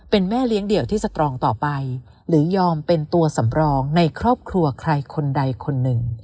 เป็นแม่เลี้ยงเดี่ยวที่สตรองต่อไปหรือยอมเป็นตัวสำรองในครอบครัวใครคนใดคนหนึ่ง